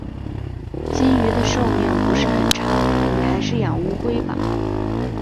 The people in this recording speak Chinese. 金鱼的寿命不是很长，你还是养乌龟吧。